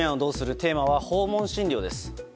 テーマは訪問診療です。